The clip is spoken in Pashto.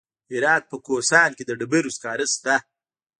د هرات په کهسان کې د ډبرو سکاره شته.